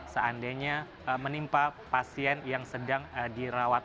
seandainya menimpa pasien yang sedang dirawat